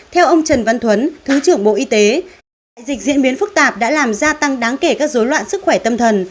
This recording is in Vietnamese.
theo ông trần văn thuấn thứ trưởng bộ y tế đại dịch diễn biến phức tạp đã làm gia tăng đáng kể các dối loạn sức khỏe tâm thần